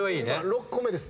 ６個目です。